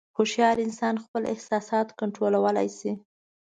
هوښیار انسان خپل احساسات کنټرولولی شي.